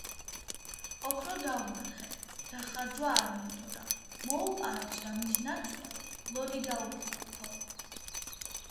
ოქრო დავმარხე, დახარჯვა არ მინდოდა. მოუპარავთ და მის ნაცვლად ლოდი დაუფლავთო.